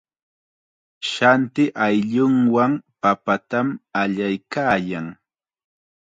Shanti ayllunwan papatam allaykaayan.